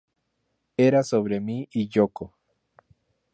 Era sobre mí y Yoko.